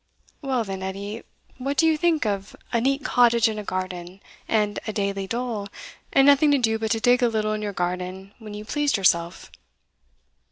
"Well, then, Edie, what do you think of a neat cottage and a garden, and a daily dole, and nothing to do but to dig a little in your garden when you pleased yourself?"